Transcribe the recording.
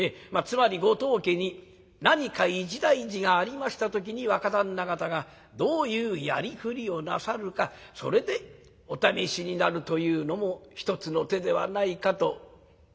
つまりご当家に何か一大事がありました時に若旦那方がどういうやりくりをなさるかそれでお試しになるというのも一つの手ではないかと」。